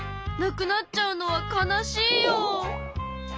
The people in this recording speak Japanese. なくなっちゃうのは悲しいよ。